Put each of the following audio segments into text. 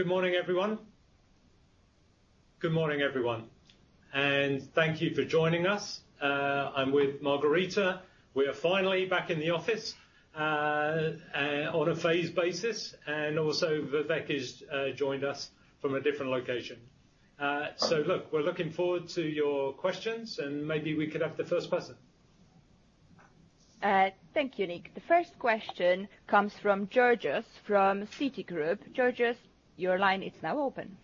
Good morning, everyone. Good morning, everyone, and thank you for joining us. I'm with Margherita. We are finally back in the office on a phased basis, and also Vivek has joined us from a different location. Look, we're looking forward to your questions, and maybe we could have the first person. Thank you, Nick. The first question comes from Georgios from Citigroup. Georgios, your line is now open.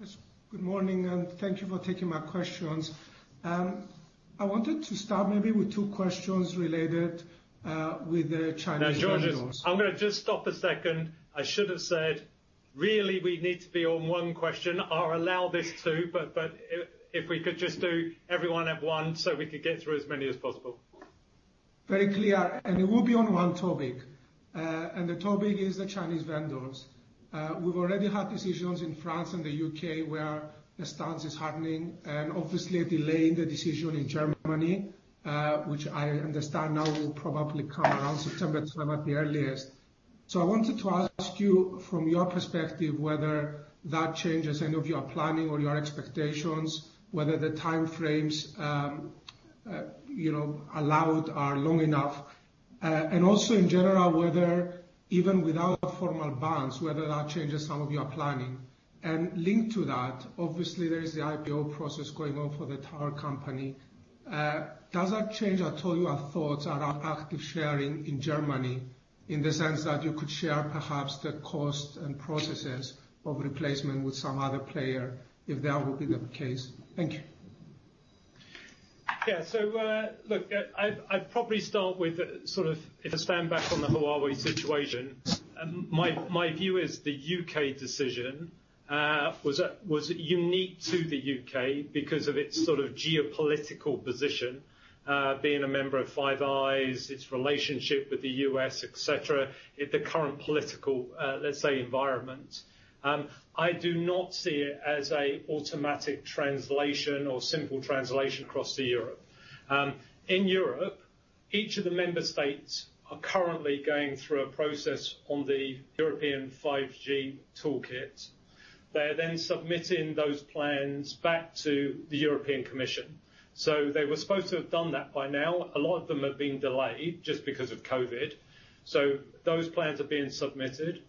Yes, good morning, and thank you for taking my questions. I wanted to start maybe with two questions related with the Chinese vendors. Now, Georgios, I'm going to just stop a second. I should have said, really, we need to be on one question or allow this two, but if we could just do everyone have one so we could get through as many as possible. Very clear, it will be on one topic. The topic is the Chinese vendors. We've already had decisions in France and the U.K., where the stance is hardening and obviously a delay in the decision in Germany, which I understand now will probably come around September 12 at the earliest. I wanted to ask you, from your perspective, whether that changes any of your planning or your expectations, whether the time frames allowed are long enough. Also in general, whether even without formal bans, whether that changes some of your planning. Linked to that, obviously there is the IPO process going on for the tower company. Does that change at all your thoughts around active sharing in Germany, in the sense that you could share perhaps the cost and processes of replacement with some other player if that would be the case? Thank you. Look, I'd probably start with if I stand back on the Huawei situation, my view is the U.K. decision was unique to the U.K. because of its geopolitical position, being a member of Five Eyes, its relationship with the U.S., et cetera, the current political, let's say, environment. I do not see it as a automatic translation or simple translation across to Europe. In Europe, each of the member states are currently going through a process on the European 5G toolkit. They're submitting those plans back to the European Commission. They were supposed to have done that by now. A lot of them have been delayed just because of COVID. Those plans are being submitted.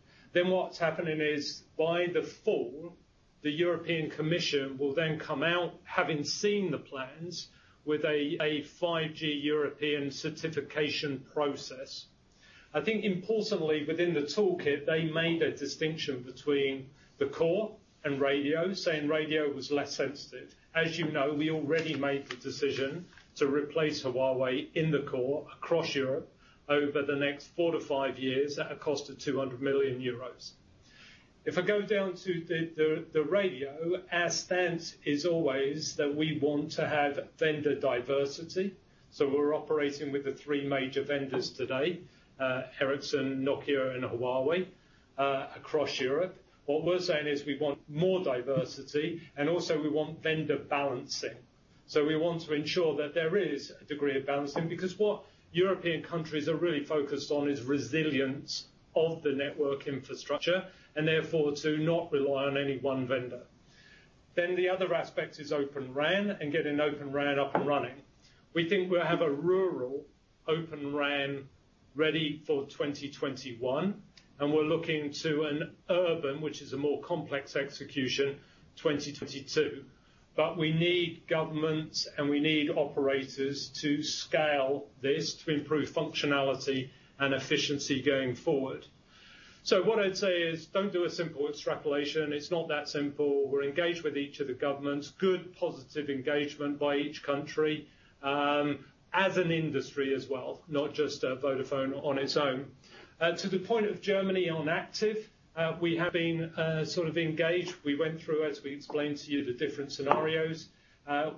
What's happening is, by the fall, the European Commission will come out, having seen the plans, with a 5G European certification process. I think importantly, within the toolkit, they made a distinction between the core and radio, saying radio was less sensitive. As you know, we already made the decision to replace Huawei in the core across Europe over the next four to five years at a cost of 200 million euros. If I go down to the radio, our stance is always that we want to have vendor diversity. We're operating with the three major vendors today, Ericsson, Nokia, and Huawei, across Europe. What we're saying is we want more diversity, and also we want vendor balancing. We want to ensure that there is a degree of balancing, because what European countries are really focused on is resilience of the network infrastructure, and therefore to not rely on any one vendor. The other aspect is Open RAN and getting Open RAN up and running. We think we'll have a rural Open RAN ready for 2021, and we're looking to an urban, which is a more complex execution, 2022. We need governments and we need operators to scale this to improve functionality and efficiency going forward. What I'd say is don't do a simple extrapolation. It's not that simple. We're engaged with each of the governments. Good, positive engagement by each country, as an industry as well, not just Vodafone on its own. To the point of Germany on active, we have been engaged. We went through, as we explained to you, the different scenarios.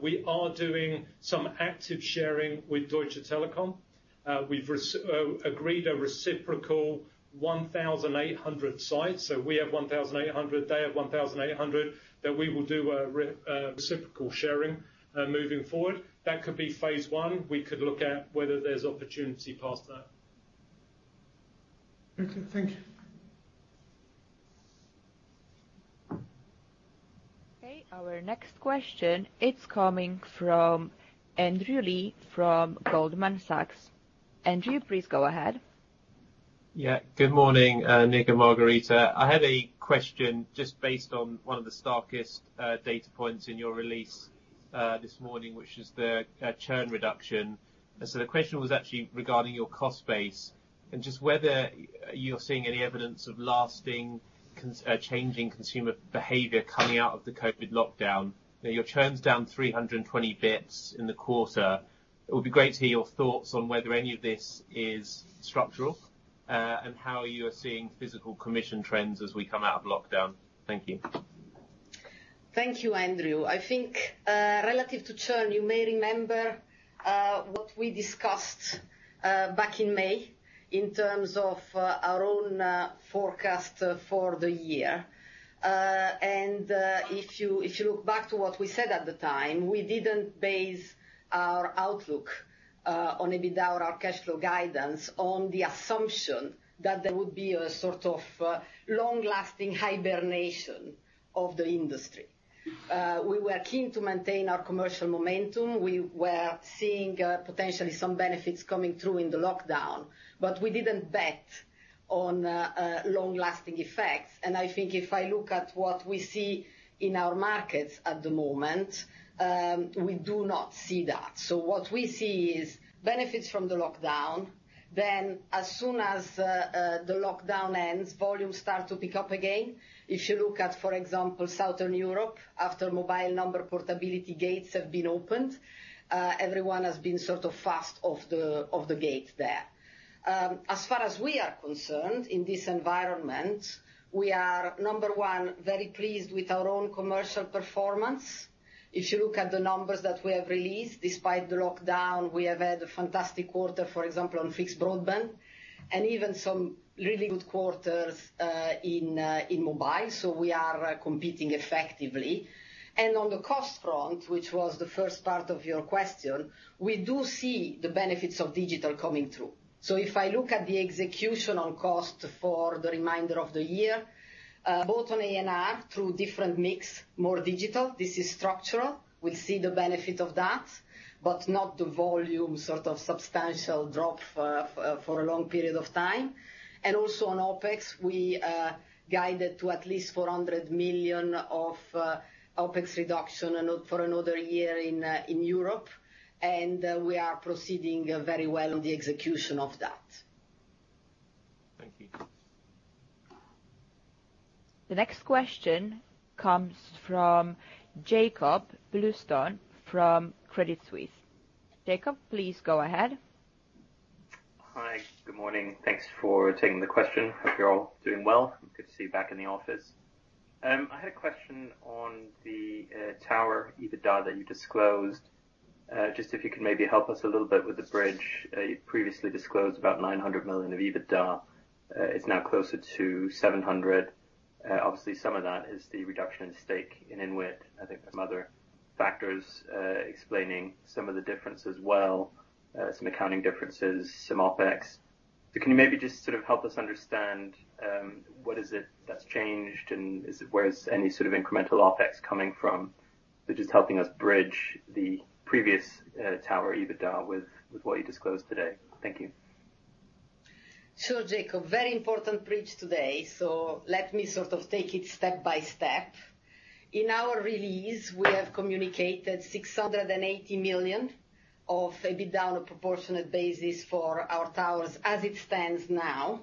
We are doing some active sharing with Deutsche Telekom. We've agreed a reciprocal 1,800 sites. We have 1,800, they have 1,800, that we will do a reciprocal sharing moving forward. That could be phase one. We could look at whether there's opportunity past that. Okay, thank you. Okay, our next question, it's coming from Andrew Lee from Goldman Sachs. Andrew, please go ahead. Good morning, Nick and Margherita. I had a question just based on one of the starkest data points in your release this morning, which is the churn reduction. The question was actually regarding your cost base and just whether you're seeing any evidence of lasting changing consumer behavior coming out of the COVID lockdown. Your churn's down 320 basis points in the quarter. It would be great to hear your thoughts on whether any of this is structural, and how you're seeing physical commission trends as we come out of lockdown. Thank you. Thank you, Andrew. I think, relative to churn, you may remember what we discussed back in May in terms of our own forecast for the year. If you look back to what we said at the time, we didn't base our outlook On EBITDA or cash flow guidance on the assumption that there would be a long-lasting hibernation of the industry. We were keen to maintain our commercial momentum. We were seeing potentially some benefits coming through in the lockdown, but we didn't bet on long-lasting effects. I think if I look at what we see in our markets at the moment, we do not see that. What we see is benefits from the lockdown. As soon as the lockdown ends, volumes start to pick up again. If you look at, for example, Southern Europe, after mobile number portability gates have been opened, everyone has been fast off the gate there. As far as we are concerned in this environment, we are, number one, very pleased with our own commercial performance. If you look at the numbers that we have released, despite the lockdown, we have had a fantastic quarter, for example, on fixed broadband, and even some really good quarters in mobile. We are competing effectively. On the cost front, which was the first part of your question, we do see the benefits of digital coming through. If I look at the execution on cost for the remainder of the year, both on A&R through different mix, more digital, this is structural. We see the benefit of that, but not the volume substantial drop for a long period of time. Also on OpEx, we are guided to at least 400 million of OpEx reduction for another year in Europe, and we are proceeding very well on the execution of that. Thank you. The next question comes from Jakob Bluestone from Credit Suisse. Jakob, please go ahead. Hi. Good morning. Thanks for taking the question. Hope you're all doing well. Good to see you back in the office. I had a question on the tower EBITDA that you disclosed. Just if you could maybe help us a little bit with the bridge. You previously disclosed about 900 million of EBITDA. It's now closer to 700 million. Obviously, some of that is the reduction in stake in Inwit. I think some other factors explaining some of the difference as well, some accounting differences, some OpEx. Can you maybe just help us understand what is it that's changed, and where is any incremental OpEx coming from? Just helping us bridge the previous tower EBITDA with what you disclosed today. Thank you. Sure, Jakob. Very important bridge today. Let me take it step by step. In our release, we have communicated 680 million of EBITDA on a proportionate basis for our towers as it stands now.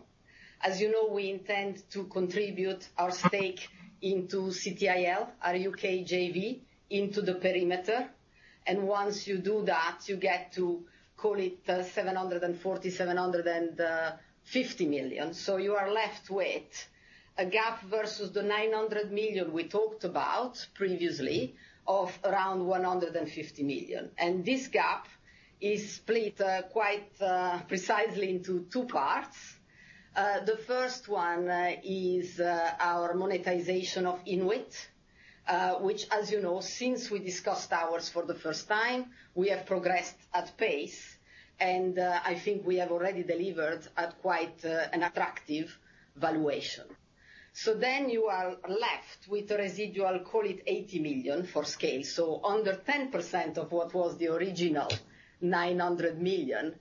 As you know, we intend to contribute our stake into CTIL, our U.K. JV, into the perimeter. Once you do that, you get to call it 740 million, 750 million. You are left with a gap versus the 700 million we talked about previously of around 150 million. This gap is split quite precisely into two parts. The first one is our monetization of Inwit, which, as you know, since we discussed towers for the first time, we have progressed at pace, and I think we have already delivered at quite an attractive valuation. You are left with the residual, call it 80 million for scale. Under 10% of what was the original 900 million,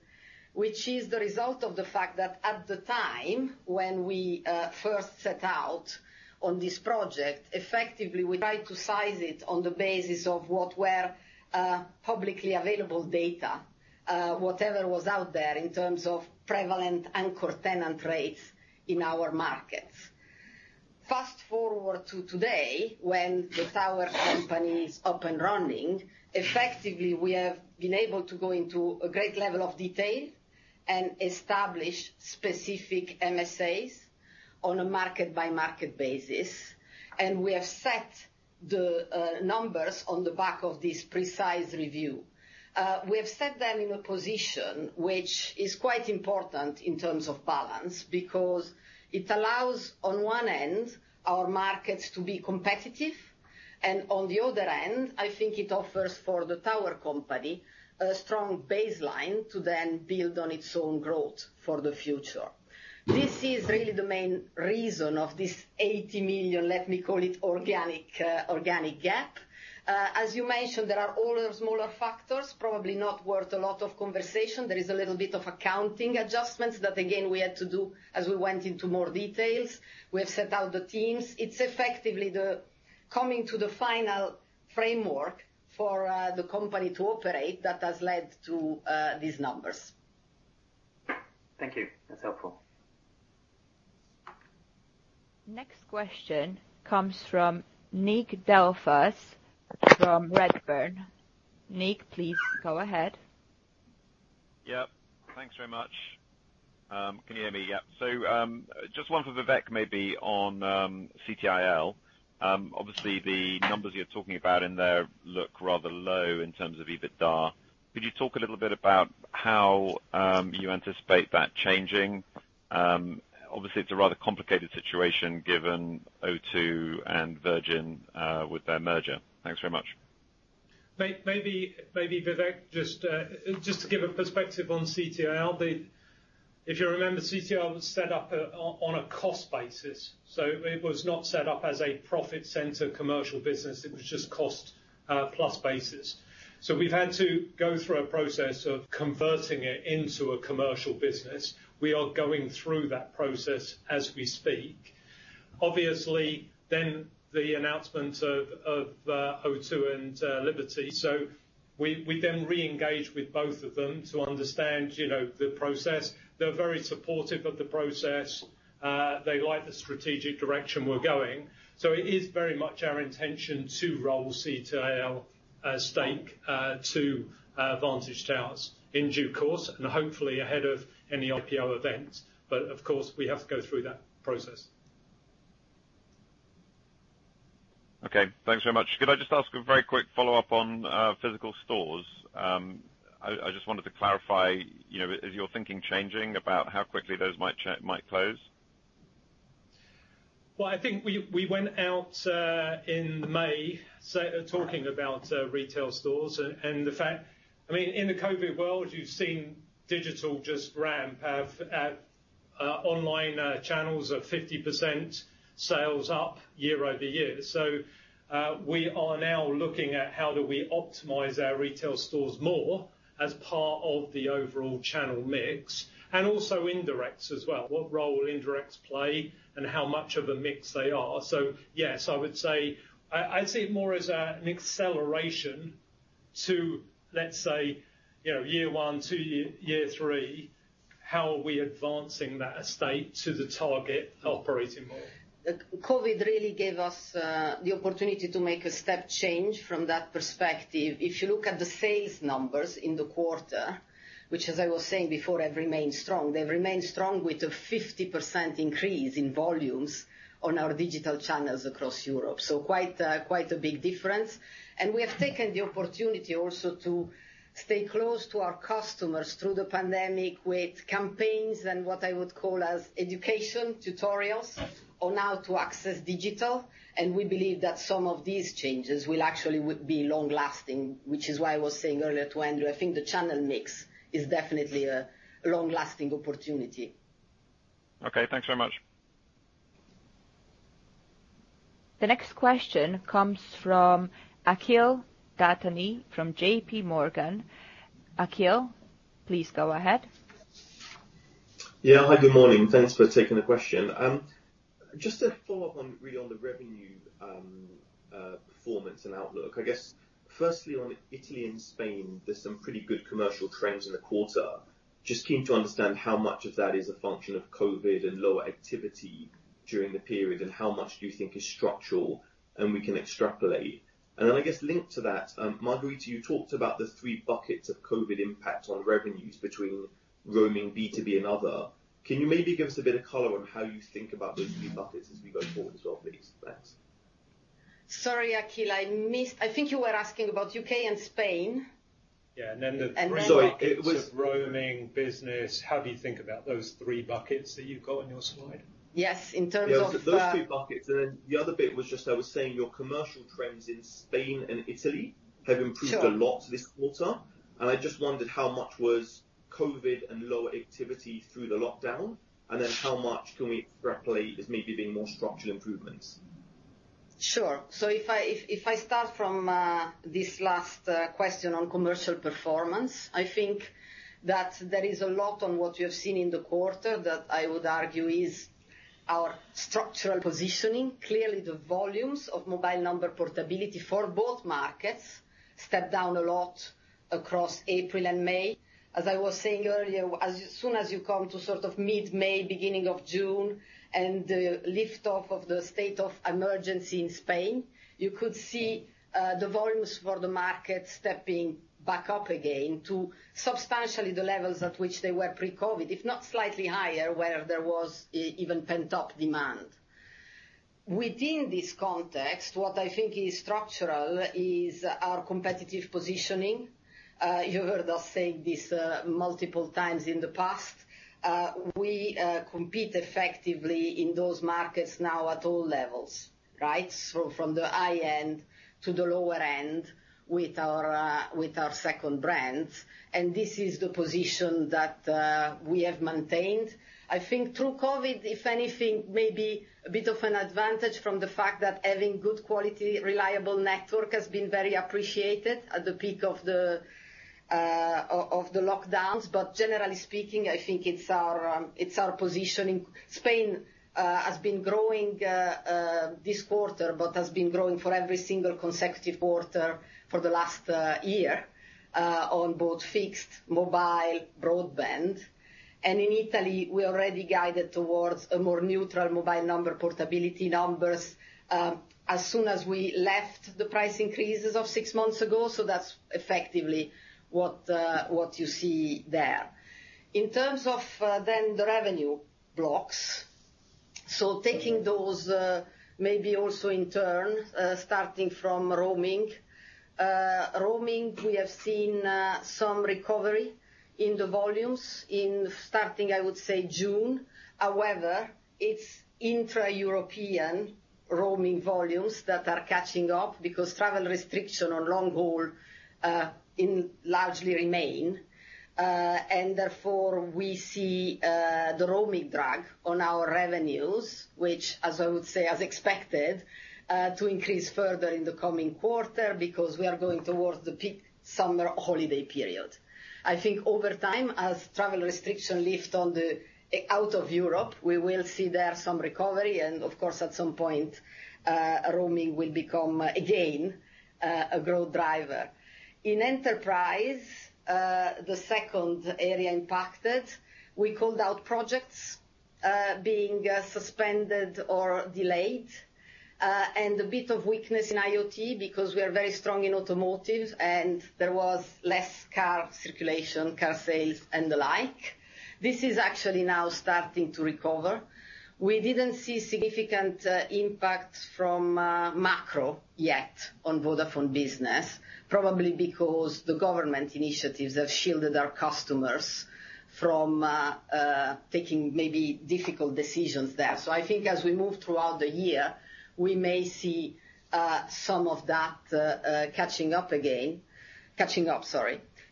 which is the result of the fact that at the time when we first set out on this project, effectively, we tried to size it on the basis of what were publicly available data. Whatever was out there in terms of prevalent anchor tenant rates in our markets. Fast-forward to today, when the tower company is up and running, effectively, we have been able to go into a great level of detail and establish specific MSAs on a market-by-market basis, and we have set the numbers on the back of this precise review. We have set them in a position which is quite important in terms of balance because it allows, on one end, our markets to be competitive. On the other end, I think it offers for the tower company a strong baseline to then build on its own growth for the future. This is really the main reason of this 80 million, let me call it organic gap. As you mentioned, there are other smaller factors, probably not worth a lot of conversation. There is a little bit of accounting adjustments that again, we had to do as we went into more details. We have set out the teams. It's effectively the coming to the final framework for the company to operate that has led to these numbers. Thank you. That's helpful. Next question comes from Nick Delfas from Redburn. Nick, please go ahead. Yep. Thanks very much. Can you hear me? Yep. Just one for Vivek, maybe on CTIL. Obviously, the numbers you're talking about in there look rather low in terms of EBITDA. Could you talk a little bit about how you anticipate that changing? Obviously, it's a rather complicated situation given O2 and Virgin with their merger. Thanks very much. Maybe, Vivek, just to give a perspective on CTIL, if you remember, CTIL was set up on a cost basis. It was not set up as a profit center commercial business, it was just cost plus basis. We've had to go through a process of converting it into a commercial business. We are going through that process as we speak. Obviously, then the announcement of O2 and Liberty. We then re-engaged with both of them to understand the process. They're very supportive of the process. They like the strategic direction we're going. It is very much our intention to roll CTIL as stake to Vantage Towers in due course, and hopefully ahead of any IPO event. Of course, we have to go through that process. Okay. Thanks very much. Could I just ask a very quick follow-up on physical stores? I just wanted to clarify, is your thinking changing about how quickly those might close? Well, I think we went out in May, talking about retail stores. In the COVID world, you've seen digital just ramp. Online channels are 50% sales up year-over-year. We are now looking at how do we optimize our retail stores more as part of the overall channel mix, and also indirects as well, what role will indirects play and how much of a mix they are. Yes, I'd say more as an acceleration to, let's say, year one to year three, how are we advancing that estate to the target operating model. COVID really gave us the opportunity to make a step change from that perspective. If you look at the sales numbers in the quarter, which as I was saying before, have remained strong. They've remained strong with a 50% increase in volumes on our digital channels across Europe, so quite a big difference. We have taken the opportunity also to stay close to our customers through the pandemic with campaigns and what I would call as education tutorials on how to access digital. We believe that some of these changes will actually would be long-lasting, which is why I was saying earlier to Andrew, I think the channel mix is definitely a long-lasting opportunity. Okay. Thanks very much. The next question comes from Akhil Dattani from JPMorgan. Akhil, please go ahead. Yeah. Hi, good morning. Thanks for taking the question. Just to follow up really on the revenue performance and outlook. I guess, firstly, on Italy and Spain, there's some pretty good commercial trends in the quarter. Just keen to understand how much of that is a function of COVID and lower activity during the period, and how much do you think is structural and we can extrapolate. Then, I guess linked to that, Margherita, you talked about the three buckets of COVID impact on revenues between roaming, B2B and other. Can you maybe give us a bit of color on how you think about those three buckets as we go forward as well, please? Thanks. Sorry, Akhil, I missed. I think you were asking about U.K. and Spain? Yeah. The three buckets and then of roaming, business, how do you think about those three buckets that you've got on your slide? Yes. In terms of Those two buckets, the other bit was just I was saying your commercial trends in Spain and Italy have improved. Sure. A lot this quarter. I just wondered how much was COVID and lower activity through the lockdown, and then how much can we extrapolate as maybe being more structural improvements? Sure. If I start from this last question on commercial performance, I think that there is a lot on what you have seen in the quarter that I would argue is our structural positioning. Clearly, the volumes of mobile number portability for both markets stepped down a lot across April and May. As I was saying earlier, as soon as you come to mid-May, beginning of June, and the lift-off of the state of emergency in Spain, you could see the volumes for the market stepping back up again to substantially the levels at which they were pre-COVID, if not slightly higher, where there was even pent-up demand. Within this context, what I think is structural is our competitive positioning. You heard us say this multiple times in the past. We compete effectively in those markets now at all levels. From the high end to the lower end with our second brand, and this is the position that we have maintained. I think through COVID, if anything, maybe a bit of an advantage from the fact that having good quality, reliable network has been very appreciated at the peak of the lockdowns, but generally speaking, I think it's our positioning. Spain has been growing this quarter, but has been growing for every single consecutive quarter for the last year on both fixed mobile broadband. In Italy, we already guided towards a more neutral mobile number portability numbers, as soon as we left the price increases of six months ago. That's effectively what you see there. In terms of then the revenue blocks. Taking those, maybe also in turn, starting from roaming. Roaming, we have seen some recovery in the volumes starting, I would say, June. It's intra-European roaming volumes that are catching up because travel restriction on long haul largely remain. Therefore, we see the roaming drag on our revenues, which, as I would say, as expected, to increase further in the coming quarter because we are going towards the peak summer holiday period. I think over time, as travel restriction lift out of Europe, we will see there some recovery and, of course, at some point, roaming will become again, a growth driver. In Enterprise, the second area impacted, we called out projects being suspended or delayed. A bit of weakness in IoT because we are very strong in automotive and there was less car circulation, car sales, and the like. This is actually now starting to recover. We didn't see significant impact from macro yet on Vodafone Business, probably because the government initiatives have shielded our customers from taking maybe difficult decisions there. I think as we move throughout the year, we may see some of that catching up again.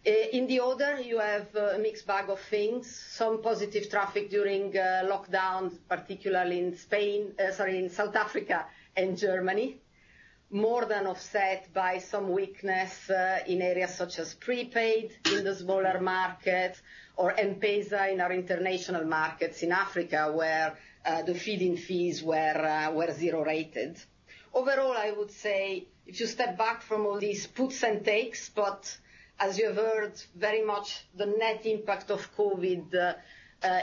In the Other, you have a mixed bag of things, some positive traffic during lockdowns, particularly in South Africa and Germany, more than offset by some weakness in areas such as prepaid in the smaller market or M-PESA in our international markets in Africa, where the feed-in fees were zero rated. Overall, I would say if you step back from all these puts and takes, as you have heard, very much the net impact of COVID,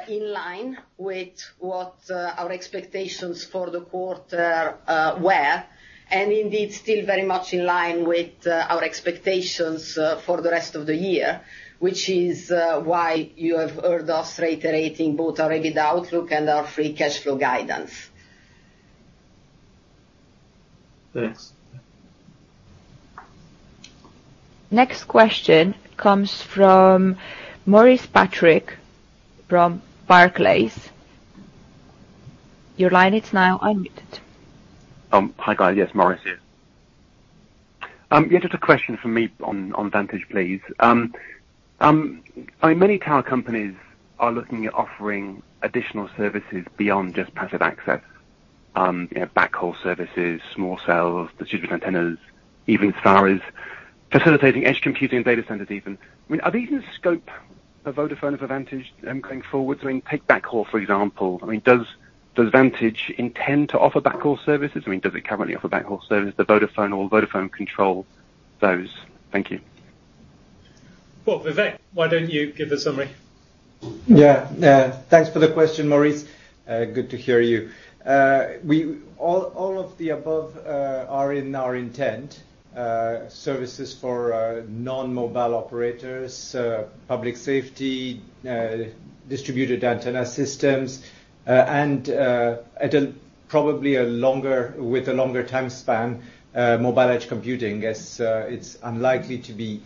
in line with what our expectations for the quarter were, and indeed still very much in line with our expectations for the rest of the year, which is why you have heard us reiterating both already the outlook and our free cash flow guidance. Thanks. Next question comes from Maurice Patrick from Barclays. Your line is now unmuted. Hi, guys. Yes, Maurice here. Yeah, just a question from me on Vantage, please. Many tower companies are looking at offering additional services beyond just passive access. Backhaul services, small cells, distributed antennas, even as far as facilitating mobile edge computing and data centers even. Are these in scope of Vodafone or Vantage going forward? Take backhaul, for example. Does Vantage intend to offer backhaul services? Does it currently offer backhaul services to Vodafone or Vodafone control those? Thank you. Well, Vivek, why don't you give a summary? Yeah. Thanks for the question, Maurice. Good to hear you. All of the above are in our intent. Services for non-mobile operators, public safety, distributed antenna systems, and at a probably with a longer time span, mobile edge computing, as it's unlikely to be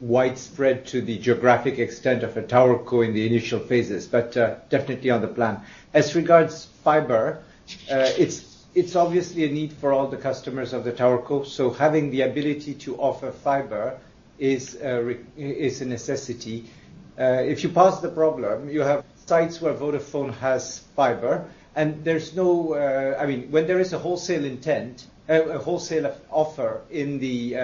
widespread to the geographic extent of a towerco in the initial phases. Definitely on the plan. As regards fiber, it's obviously a need for all the customers of the towerco, so having the ability to offer fiber is a necessity. If you parse the problem, you have sites where Vodafone has fiber, and when there is a wholesale offer in the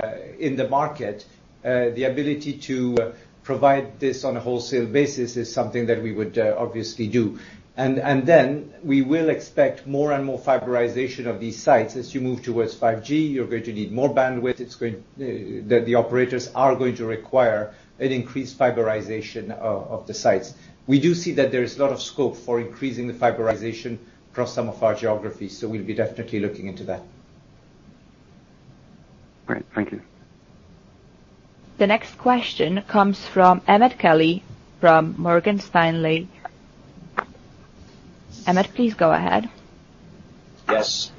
market, the ability to provide this on a wholesale basis is something that we would obviously do. We will expect more and more fiberization of these sites. As you move towards 5G, you're going to need more bandwidth. The operators are going to require an increased fiberization of the sites. We do see that there is a lot of scope for increasing the fiberization across some of our geographies. We'll be definitely looking into that. Great. Thank you. The next question comes from Emmet Kelly from Morgan Stanley. Emmet, please go ahead. Yes.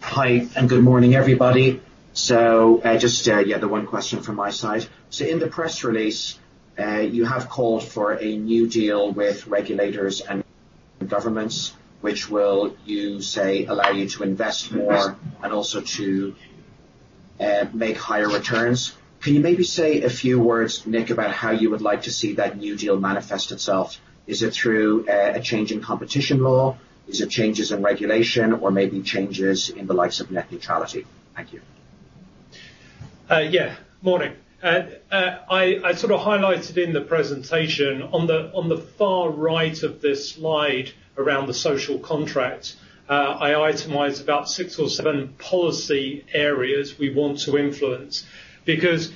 Hi, good morning, everybody. Just, yeah, the one question from my side. In the press release, you have called for a new deal with regulators and governments, which will, you say, allow you to invest more and also to make higher returns. Can you maybe say a few words, Nick, about how you would like to see that new deal manifest itself? Is it through a change in competition law? Is it changes in regulation or maybe changes in the likes of net neutrality? Thank you. Yeah. Morning. I sort of highlighted in the presentation on the far right of this slide around the social contract. I itemized about six or seven policy areas we want to influence because,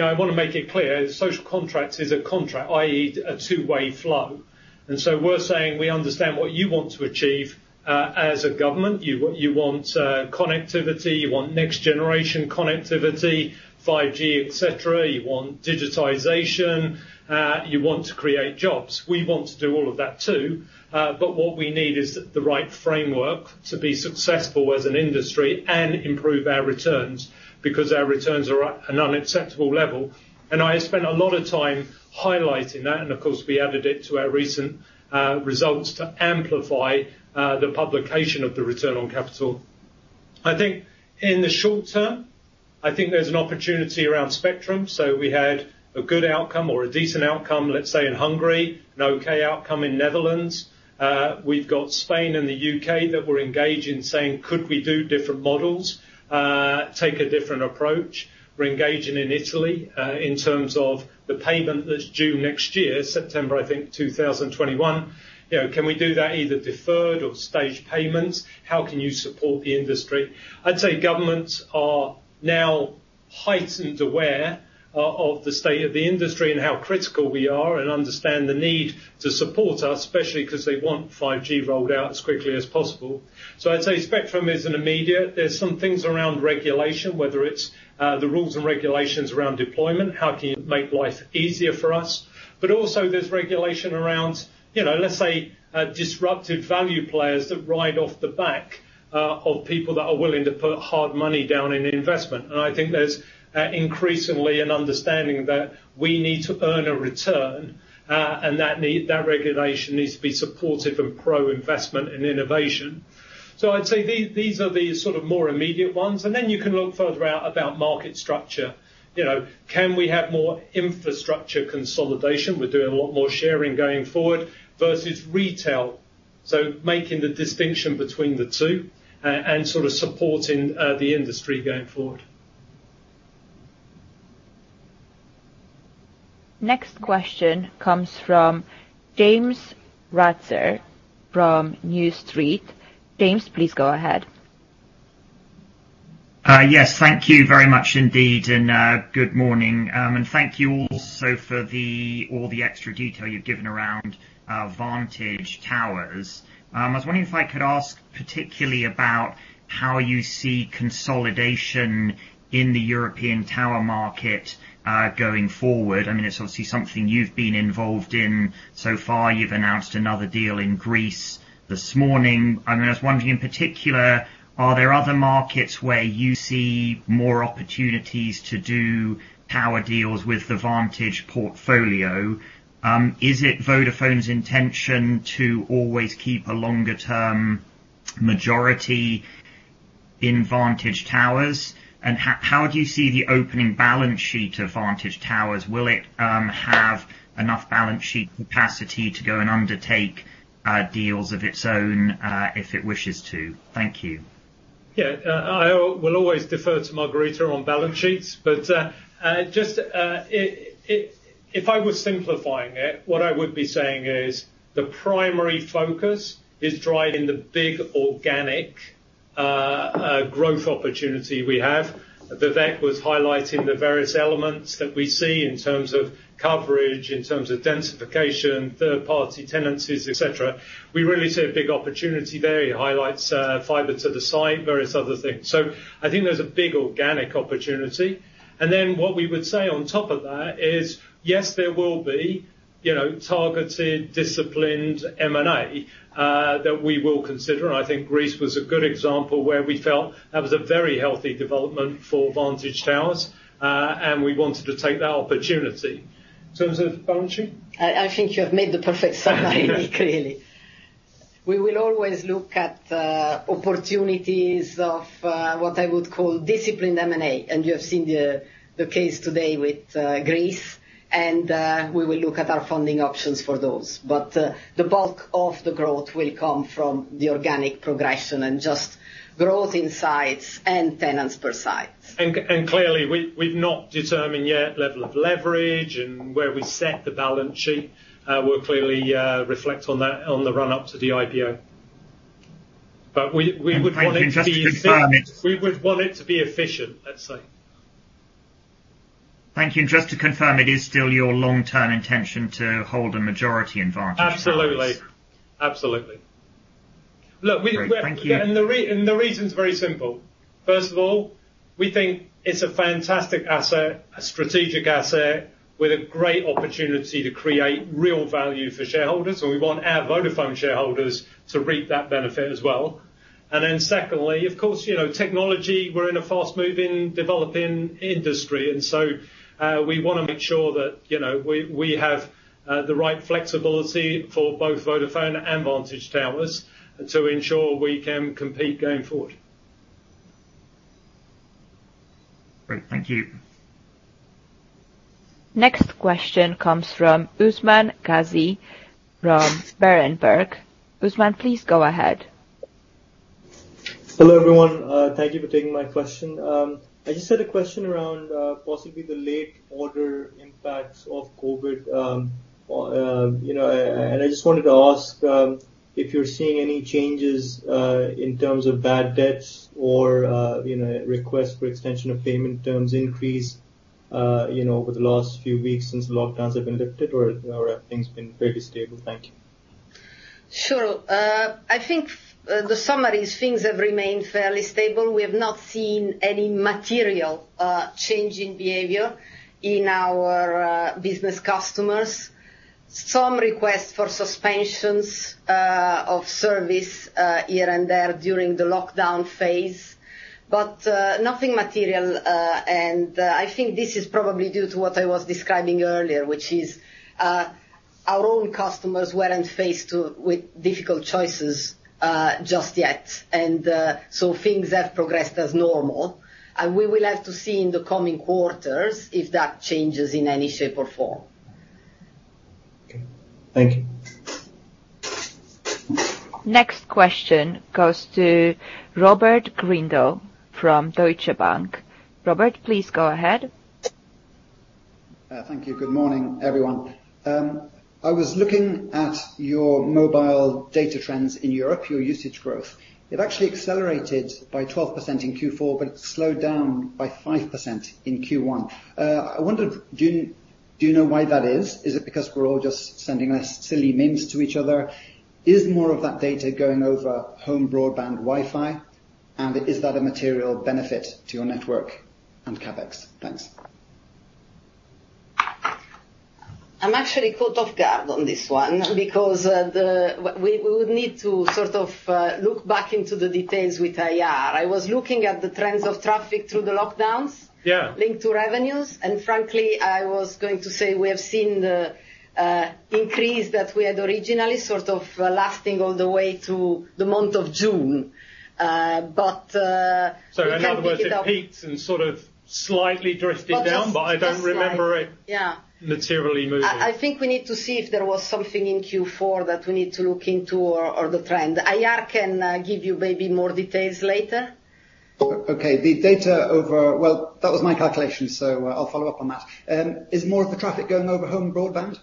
I want to make it clear, social contracts is a contract, i.e., a two-way flow. We're saying we understand what you want to achieve, as a government. You want connectivity, you want next generation connectivity, 5G, et cetera. You want digitization. You want to create jobs. We want to do all of that, too. What we need is the right framework to be successful as an industry and improve our returns, because our returns are at an unacceptable level. I spent a lot of time highlighting that, and of course, we added it to our recent results to amplify the publication of the return on capital. I think in the short term, I think there's an opportunity around spectrum. We had a good outcome or a decent outcome, let's say, in Hungary, an okay outcome in Netherlands. We've got Spain and the U.K. that we're engaging, saying, "Could we do different models? Take a different approach?" We're engaging in Italy, in terms of the payment that's due next year, September, I think 2021. Can we do that either deferred or staged payments? How can you support the industry? I'd say governments are now heightened aware of the state of the industry and how critical we are and understand the need to support us, especially because they want 5G rolled out as quickly as possible. I'd say spectrum isn't immediate. There's some things around regulation, whether it's the rules and regulations around deployment, how can you make life easier for us? Also there's regulation around, let's say, disruptive value players that ride off the back of people that are willing to put hard money down in investment. I think there's increasingly an understanding that we need to earn a return, and that regulation needs to be supportive of pro-investment and innovation. I'd say these are the more immediate ones, and then you can look further out about market structure. Can we have more infrastructure consolidation with doing a lot more sharing going forward versus retail? Making the distinction between the two and, sort of supporting the industry going forward. Next question comes from James Ratzer from New Street. James, please go ahead. Yes. Thank you very much indeed. Good morning. Thank you also for all the extra detail you've given around Vantage Towers. I was wondering if I could ask particularly about how you see consolidation in the European tower market, going forward. It's obviously something you've been involved in so far. You've announced another deal in Greece this morning. I was wondering in particular, are there other markets where you see more opportunities to do tower deals with the Vantage portfolio? Is it Vodafone's intention to always keep a longer-term majority in Vantage Towers? How do you see the opening balance sheet of Vantage Towers? Will it have enough balance sheet capacity to go and undertake deals of its own if it wishes to? Thank you. I will always defer to Margherita on balance sheets. If I was simplifying it, what I would be saying is the primary focus is driving the big organic growth opportunity we have. Vivek was highlighting the various elements that we see in terms of coverage, in terms of densification, third-party tenancies, et cetera. We really see a big opportunity there. He highlights fiber to the site, various other things. I think there's a big organic opportunity. What we would say on top of that is, yes, there will be targeted, disciplined M&A that we will consider. I think Greece was a good example where we felt that was a very healthy development for Vantage Towers. We wanted to take that opportunity. In terms of balance sheet? I think you have made the perfect summary, clearly. We will always look at opportunities of what I would call disciplined M&A. You have seen the case today with Greece and we will look at our funding options for those. The bulk of the growth will come from the organic progression and just growth in sites and tenants per sites. Clearly, we've not determined yet level of leverage and where we set the balance sheet. We'll clearly reflect on that on the run-up to the IPO. We would want it to be. Just to confirm. We would want it to be efficient, let's say. Thank you. Just to confirm, it is still your long-term intention to hold a majority in Vantage Towers? Absolutely. Absolutely. Great. Thank you. The reason's very simple. First of all, we think it's a fantastic asset, a strategic asset with a great opportunity to create real value for shareholders. We want our Vodafone shareholders to reap that benefit as well. Secondly, of course, technology, we're in a fast-moving, developing industry. We want to make sure that we have the right flexibility for both Vodafone and Vantage Towers to ensure we can compete going forward. Great. Thank you. Next question comes from Usman Ghazi from Berenberg. Usman, please go ahead. Hello, everyone. Thank you for taking my question. I just had a question around possibly the late order impacts of COVID. I just wanted to ask if you're seeing any changes, in terms of bad debts or request for extension of payment terms increase over the last few weeks since the lockdowns have been lifted, or have things been fairly stable? Thank you. Sure. I think the summary is things have remained fairly stable. We have not seen any material change in behavior in our business customers. Some requests for suspensions of service here and there during the lockdown phase, but nothing material. I think this is probably due to what I was describing earlier, which is our own customers weren't faced with difficult choices just yet. Things have progressed as normal. We will have to see in the coming quarters if that changes in any shape or form. Okay. Thank you. Next question goes to Robert Grindle from Deutsche Bank. Robert, please go ahead. Thank you. Good morning, everyone. I was looking at your mobile data trends in Europe, your usage growth. It actually accelerated by 12% in Q4, but slowed down by 5% in Q1. I wondered, do you know why that is? Is it because we're all just sending silly memes to each other? Is more of that data going over home broadband Wi-Fi, and is that a material benefit to your network and CapEx? Thanks. I'm actually caught off guard on this one because we would need to look back into the details with IR. I was looking at the trends of traffic through the lockdowns. Yeah linked to revenues, and frankly, I was going to say we have seen the increase that we had originally lasting all the way to the month of June. We can pick it up. In other words, it peaked and slightly drifted down. Just slightly, yeah. I don't remember it materially moving. I think we need to see if there was something in Q4 that we need to look into or the trend. IR can give you maybe more details later. Okay. Well, that was my calculation, so I'll follow up on that. Is more of the traffic going over home broadband?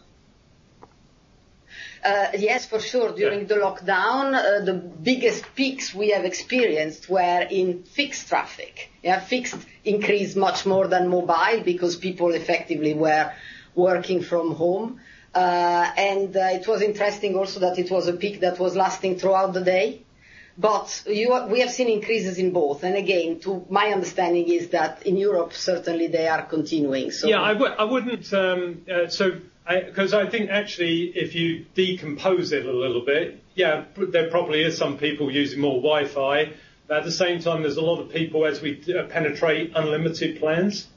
Yes, for sure. Yeah. During the lockdown, the biggest peaks we have experienced were in fixed traffic. Yeah, fixed increased much more than mobile because people effectively were working from home. It was interesting also that it was a peak that was lasting throughout the day. We have seen increases in both. Again, my understanding is that in Europe, certainly they are continuing. I think actually if you decompose it a little bit, there probably is some people using more Wi-Fi, but at the same time, there's a lot of people as we penetrate unlimited plans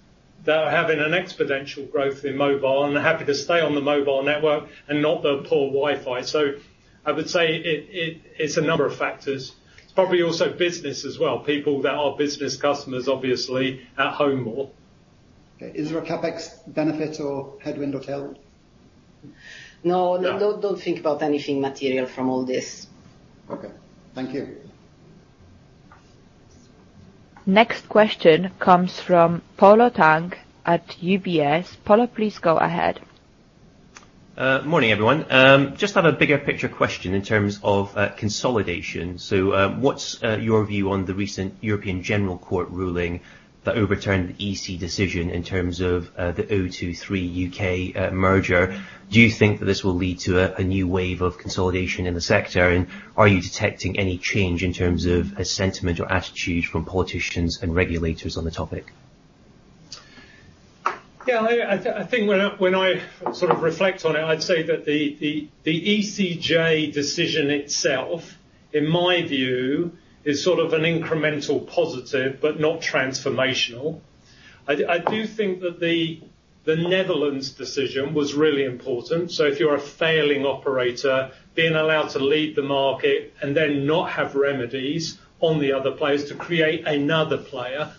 that are having an exponential growth in mobile and are happy to stay on the mobile network and not the poor Wi-Fi. I would say it's a number of factors. It's probably also business as well, people that are business customers, obviously, at home more. Okay. Is there a CapEx benefit or headwind or tail? No. No. Don't think about anything material from all this. Okay. Thank you. Next question comes from Polo Tang at UBS. Polo, please go ahead. Morning, everyone. Just on a bigger picture question in terms of consolidation. What's your view on the recent European General Court ruling that overturned the EC decision in terms of the O2-3UK merger? Do you think that this will lead to a new wave of consolidation in the sector, and are you detecting any change in terms of a sentiment or attitude from politicians and regulators on the topic? I think when I reflect on it, I'd say that the ECJ decision itself, in my view, is an incremental positive but not transformational. I do think that the Netherlands decision was really important. If you're a failing operator, being allowed to leave the market and then not have remedies on the other players to create another player.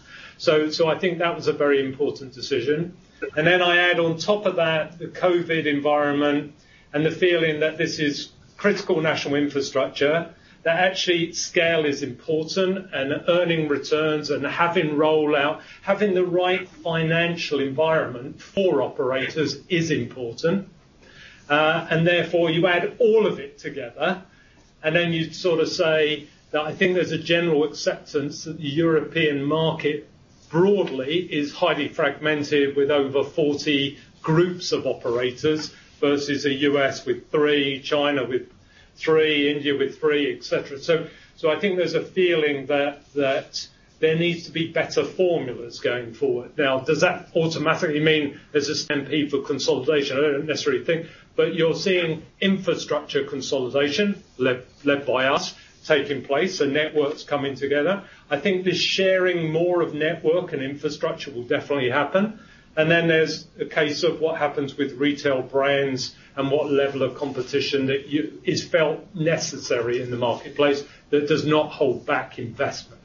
I think that was a very important decision. I add on top of that the COVID environment and the feeling that this is critical national infrastructure, that actually scale is important and earning returns and having rollout, having the right financial environment for operators is important. Therefore, you add all of it together, and then you'd say that I think there's a general acceptance that the European market broadly is highly fragmented with over 40 groups of operators versus a U.S. with three, China with three, India with three, et cetera. I think there's a feeling that there needs to be better formulas going forward. Now, does that automatically mean there's a stampede for consolidation? I don't necessarily think, but you're seeing infrastructure consolidation led by us taking place and networks coming together. I think the sharing more of network and infrastructure will definitely happen. Then there's a case of what happens with retail brands and what level of competition that is felt necessary in the marketplace that does not hold back investment.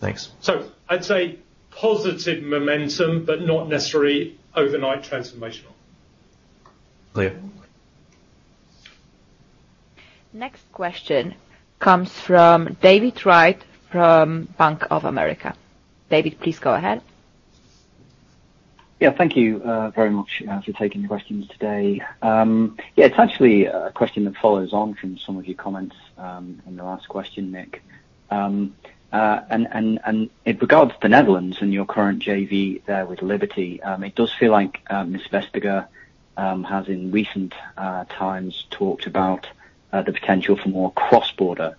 Thanks. I'd say positive momentum, but not necessarily overnight transformational. Clear. Next question comes from David Wright from Bank of America. David, please go ahead. Yeah. Thank you very much for taking the questions today. Yeah, it's actually a question that follows on from some of your comments on the last question, Nick. In regards to the Netherlands and your current JV there with Liberty, it does feel like Ms. Vestager has, in recent times, talked about the potential for more cross-border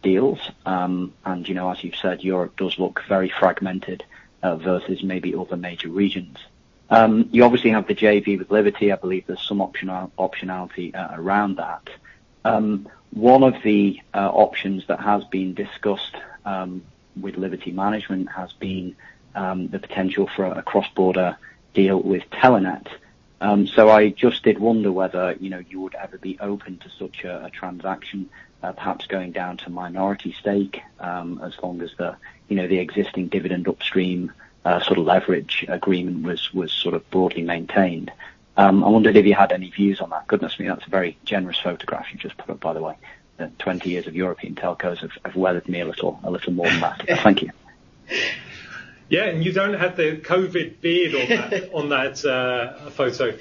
deals. As you've said, Europe does look very fragmented versus maybe other major regions. You obviously have the JV with Liberty. I believe there's some optionality around that. One of the options that has been discussed with Liberty Management has been the potential for a cross-border deal with Telenet. I just did wonder whether you would ever be open to such a transaction, perhaps going down to minority stake, as long as the existing dividend upstream leverage agreement was broadly maintained. I wondered if you had any views on that. Goodness me, that's a very generous photograph you just put up, by the way. 20 years of European telcos have weathered me a little more than that. Thank you. Yeah, you don't have the COVID beard on that photo.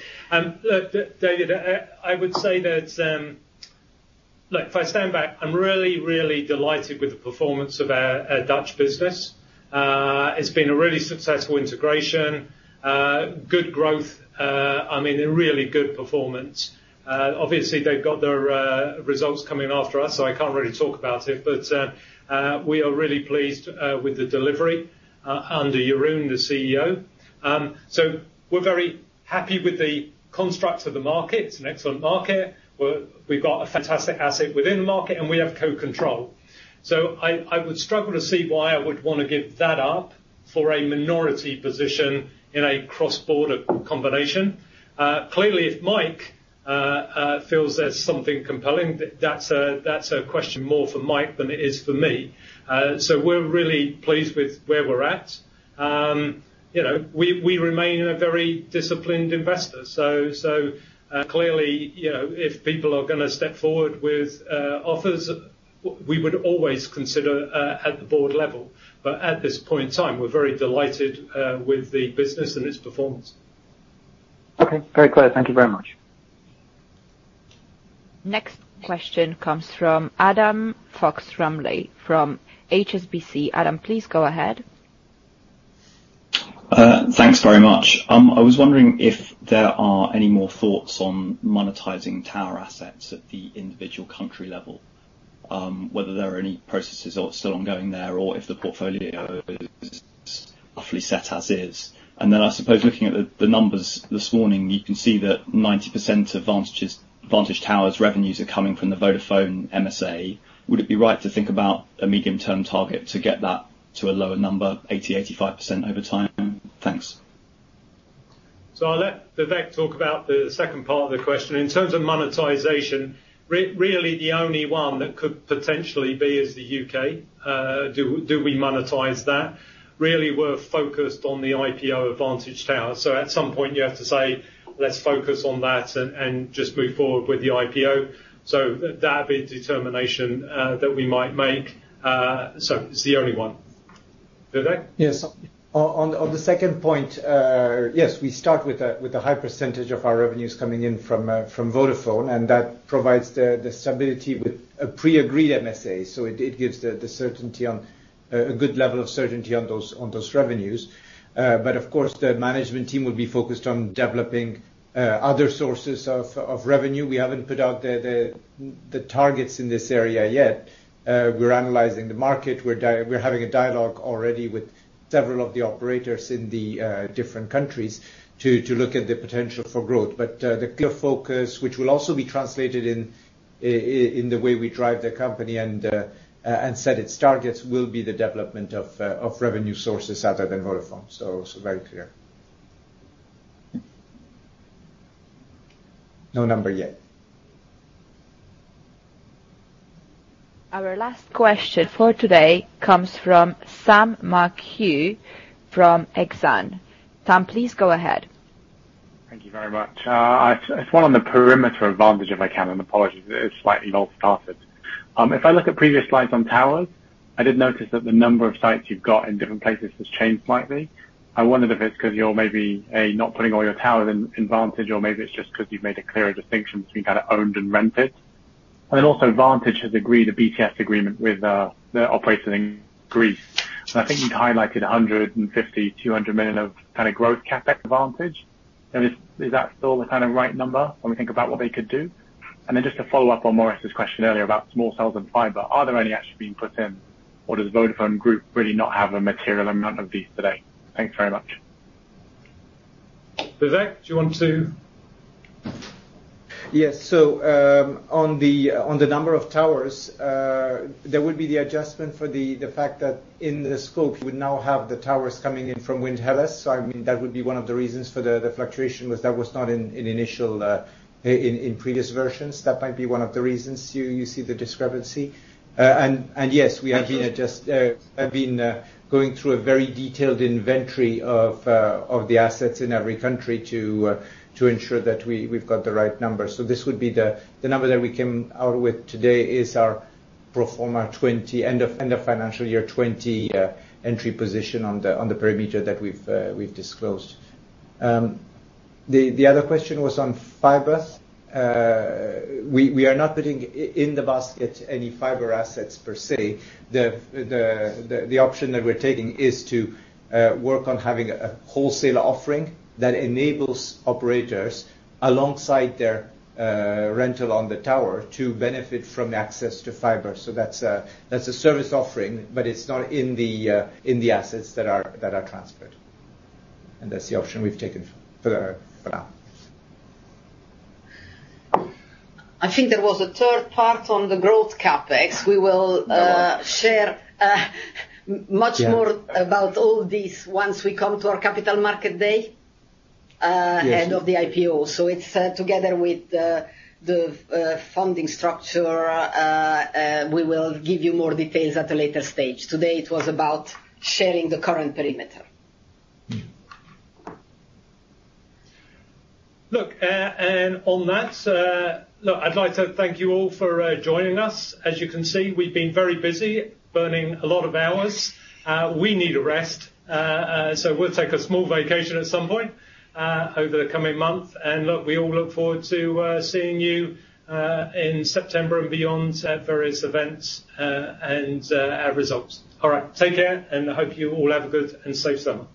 David, I would say that if I stand back, I'm really, really delighted with the performance of our Dutch business. It's been a really successful integration, good growth, a really good performance. Obviously, they've got their results coming after us, so I can't really talk about it. We are really pleased with the delivery under Jeroen, the CEO. We're very happy with the construct of the market. It's an excellent market. We've got a fantastic asset within the market, and we have co-control. I would struggle to see why I would want to give that up for a minority position in a cross-border combination. Clearly, if Mike feels there's something compelling, that's a question more for Mike than it is for me. We're really pleased with where we're at. We remain a very disciplined investor. Clearly, if people are going to step forward with offers, we would always consider at the board level. At this point in time, we're very delighted with the business and its performance. Okay. Very clear. Thank you very much. Next question comes from Adam Fox-Rumley from HSBC. Adam, please go ahead. Thanks very much. I was wondering if there are any more thoughts on monetizing tower assets at the individual country level, whether there are any processes that are still ongoing there, or if the portfolio is roughly set as is. I suppose looking at the numbers this morning, you can see that 90% of Vantage Towers' revenues are coming from the Vodafone MSA. Would it be right to think about a medium-term target to get that to a lower number, 80%, 85% over time? Thanks. I'll let Vivek talk about the second part of the question. In terms of monetization, really the only one that could potentially be is the U.K. Do we monetize that? Really, we're focused on the IPO of Vantage Towers. At some point, you have to say, let's focus on that and just move forward with the IPO. That'd be the determination that we might make. It's the only one. Vivek? Yes. On the second point, yes, we start with a high percentage of our revenues coming in from Vodafone, and that provides the stability with a pre-agreed MSA. It gives a good level of certainty on those revenues. Of course, the management team will be focused on developing other sources of revenue. We haven't put out the targets in this area yet. We're analyzing the market. We're having a dialogue already with several of the operators in the different countries to look at the potential for growth. The clear focus, which will also be translated in the way we drive the company and set its targets, will be the development of revenue sources other than Vodafone. Very clear. No number yet. Our last question for today comes from Sam McHugh from Exane. Sam, please go ahead. Thank you very much. I just want on the perimeter of Vantage, if I can, apologies, it's slightly ill-started. If I look at previous slides on towers, I did notice that the number of sites you've got in different places has changed slightly. I wondered if it's because you're maybe, A, not putting all your towers in Vantage, or maybe it's just because you've made a clearer distinction between owned and rented. Vantage has agreed a BTS agreement with the operator in Greece. I think you'd highlighted 150 million-200 million of growth CapEx Vantage. Is that still the right number when we think about what they could do? Just to follow up on Maurice's question earlier about small cells and fiber, are there any actually being put in, or does Vodafone Group really not have a material amount of these today? Thanks very much. Vivek, do you want to? Yes. On the number of towers, there will be the adjustment for the fact that in the scope, you would now have the towers coming in from Wind Hellas. That would be one of the reasons for the fluctuation, was that was not in previous versions. That might be one of the reasons you see the discrepancy. Yes, we have been going through a very detailed inventory of the assets in every country to ensure that we've got the right numbers. The number that we came out with today is our pro forma end of financial year 2020 entry position on the perimeter that we've disclosed. The other question was on fiber. We are not putting in the basket any fiber assets per se. The option that we're taking is to work on having a wholesale offering that enables operators alongside their rental on the tower to benefit from access to fiber. That's a service offering, but it's not in the assets that are transferred. That's the option we've taken for now. I think there was a third part on the growth CapEx. We will share much more about all this once we come to our capital market day. Yes. and of the IPO. It's together with the funding structure, we will give you more details at a later stage. Today, it was about sharing the current perimeter. Look, on that, I'd like to thank you all for joining us. As you can see, we've been very busy burning a lot of hours. We need a rest. We'll take a small vacation at some point over the coming month. Look, we all look forward to seeing you in September and beyond at various events and our results. All right. Take care, hope you all have a good and safe summer.